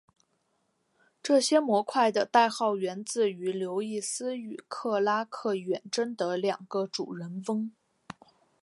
这些模块的代号源自于刘易斯与克拉克远征的两个主人翁。